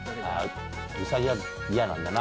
ウサギは嫌なんだな